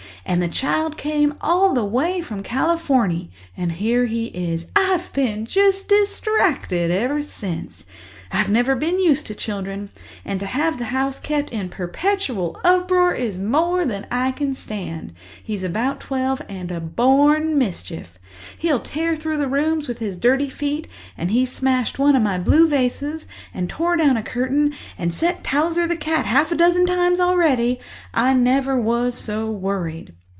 And the child came all the way from Californy, and here he is. I've been just distracted ever since. I've never been used to children, and to have the house kept in perpetual uproar is more than I can stand. He's about twelve and a born mischief. He'll tear through the rooms with his dirty feet, and he's smashed one of my blue vases and torn down a curtain and set Towser on the cat half a dozen times already—I never was so worried.